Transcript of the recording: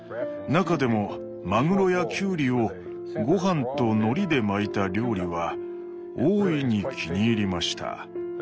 中でもマグロやキュウリをごはんとのりで巻いた料理は大いに気に入りました。